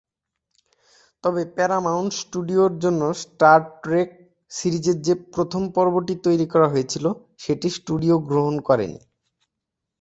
তবে প্যারামাউন্ট স্টুডিওর জন্য স্টার ট্রেক সিরিজের যে প্রথম পর্বটি তৈরি করা হয়েছিল সেটি স্টুডিও গ্রহণ করেনি।